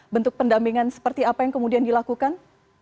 bentuk pendampingan seperti apa yang kemudian dilakukan